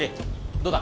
どうだ？